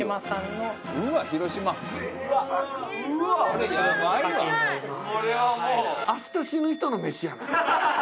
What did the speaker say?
これはもう明日死ぬ人の飯やな。